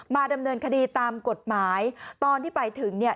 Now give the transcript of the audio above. ดำเนินคดีตามกฎหมายตอนที่ไปถึงเนี่ย